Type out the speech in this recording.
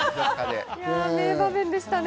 名場面でしたね。